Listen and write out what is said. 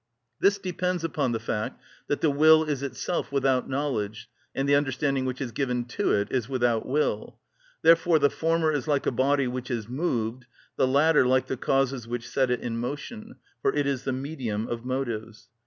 This depends upon the fact that the will is itself without knowledge, and the understanding which is given to it is without will. Therefore the former is like a body which is moved, the latter like the causes which set it in motion, for it is the medium of motives.